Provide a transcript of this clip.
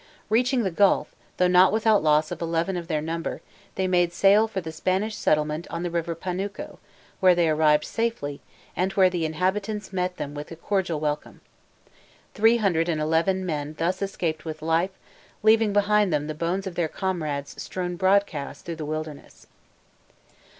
Reaching the Gulf, though not without the loss of eleven of their number, they made sail for the Spanish settlement on the river Panuco, where they arrived safely, and where the inhabitants met them with a cordial welcome. Three hundred and eleven men thus escaped with life, leaving behind them the bones of their comrades strewn broadcast through the wilderness.